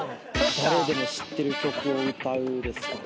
誰でも知ってる曲を歌うですかね。